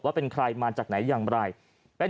ว่าเป็นใครมาจากไหนอย่างไร